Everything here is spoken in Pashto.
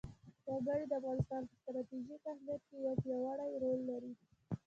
وګړي د افغانستان په ستراتیژیک اهمیت کې یو پیاوړی رول لري.